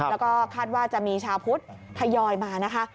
แล้วก็คาดว่าจะมีชาวพุทธทยอยมานะคะ